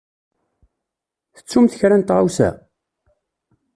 Tettumt kra n tɣawsa?